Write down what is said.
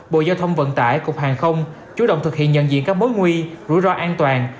bộ giao thông vận tải cục hàng không chú động thực hiện nhận diện các mối nguy rủi ro an toàn